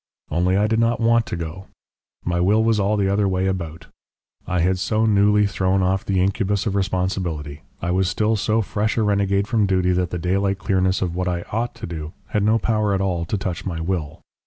"Only I did not want to go; my will was all the other way about. I had so newly thrown off the incubus of responsibility: I was still so fresh a renegade from duty that the daylight clearness of what I OUGHT to do had no power at all to touch my will.